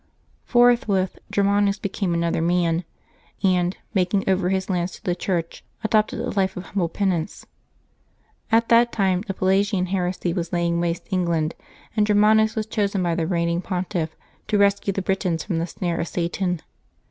Forthwith Germanus became another man, and, making over his lands to the Church, adopted a life of humble penance. At that time the Pelagian heresy was laying waste England, and Germanus was chosen by the reigning Pontiff to rescue the Britons from the snare of Satan.